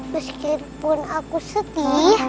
meskipun aku sedih